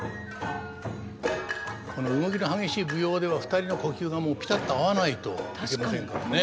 この動きの激しい舞踊では２人の呼吸がピタッと合わないといけませんからね。